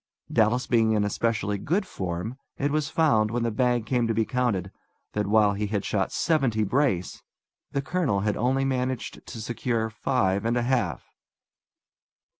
Dallas being in especially good form, it was found, when the bag came to be counted, that, while he had shot seventy brace, the colonel had only managed to secure five and a half!